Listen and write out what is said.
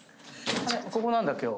ここなんだ今日。